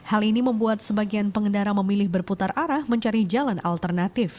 hal ini membuat sebagian pengendara memilih berputar arah mencari jalan alternatif